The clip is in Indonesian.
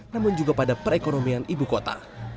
namun juga pada perekonomian ibu kota